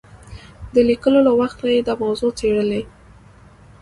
د لیکلو له وخته یې دا موضوع څېړلې.